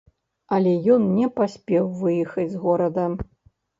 Але ён не паспеў выехаць з горада.